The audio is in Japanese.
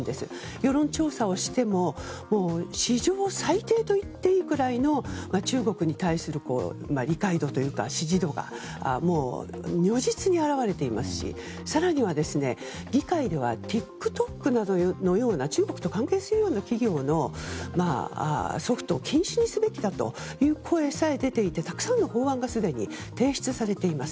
世論調査をしても史上最低といっていいくらいの中国に対する態度というか支持度がもう、如実に表れていますし更には、議会ではＴｉｋＴｏｋなどのような中国と関係するような企業のソフトを禁止にすべきだという声さえ出ていて、たくさんの法案がすでに提出されています。